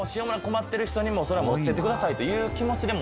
困ってる人にそれは持っていってくださいっていう気持ちで？